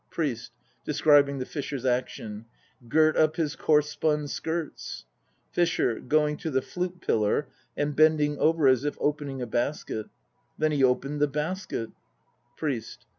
PRIEST (describing the FISHER'S action). Girt up his coarse spun skirts. FISHER (going to the "flute pillar" and bending over as if opening a basket). Then he opened the basket, 'RIEST.